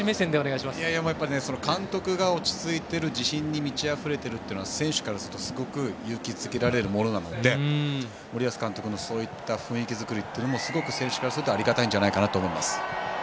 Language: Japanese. いや、やっぱり監督が落ち着いていて自信に満ちあふれているのは選手からするとすごく勇気づけられるので森保監督のそういった雰囲気作りは選手からするとありがたいんじゃないかと思います。